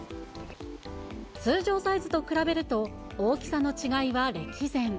通常サイズと比べると、大きさの違いは歴然。